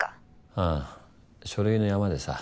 ああ書類の山でさ。